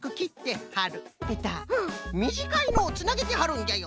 みじかいのをつなげてはるんじゃよ。